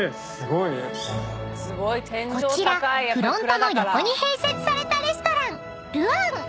［こちらフロントの横に併設されたレストラン］